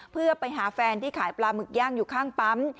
เพื่อไปหาแฟนที่ขายปลาหมึกย่างอยู่ข้างปั๊ม